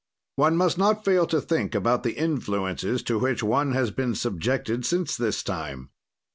"One must not fail to think about the influences to which one has been subjected since this time.